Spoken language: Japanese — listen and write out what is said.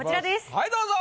はいどうぞ。